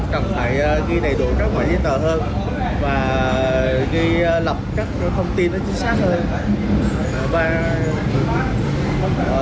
cần phải ghi đầy đủ các loại giấy tờ hơn và ghi lập các thông tin nó chính xác hơn và